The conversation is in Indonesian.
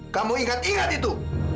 kamu ingat ingat itu